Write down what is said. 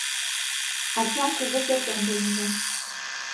Ачан кугу пӧртӧнчылныжӧ